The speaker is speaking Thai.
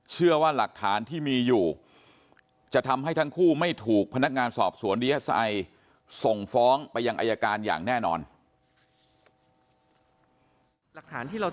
เชื่อหน้าข่าวทุกคนด้วยนะครับ